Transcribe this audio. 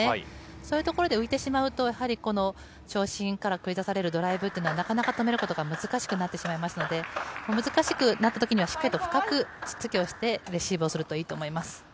そういうところで浮いてしまうと、やはりこの長身から繰り出されるドライブというのは、なかなか止めることが難しくなってしまいますので、難しくなったときには、しっかりと深くつっつきをしてレシーブをするといいと思います。